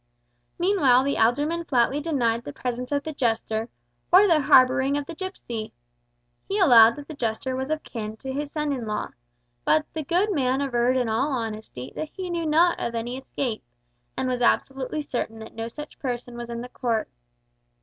Meantime the alderman flatly denied the presence of the jester, or the harbouring of the gipsy. He allowed that the jester was of kin to his son in law, but the good man averred in all honesty that he knew nought of any escape, and was absolutely certain that no such person was in the court.